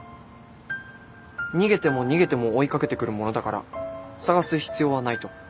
逃げても逃げても追いかけてくるものだから探す必要はないと。